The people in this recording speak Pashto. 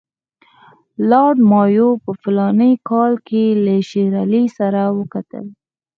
لارډ مایو په فلاني کال کې له شېر علي سره وکتل.